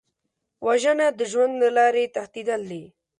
وژنه د ژوند له لارې تښتېدل دي